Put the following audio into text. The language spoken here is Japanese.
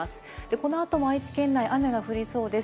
この後も愛知県内、雨が降りそうです。